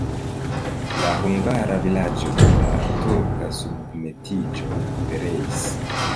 La hungara vilaĝo dum la turka submetiĝo pereis.